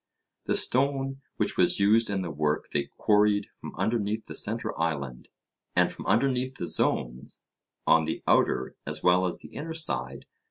The stone which was used in the work they quarried from underneath the centre island, and from underneath the zones, on the outer as well as the inner side.